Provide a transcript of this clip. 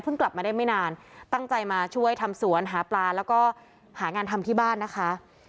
กลับมาได้ไม่นานตั้งใจมาช่วยทำสวนหาปลาแล้วก็หางานทำที่บ้านนะคะ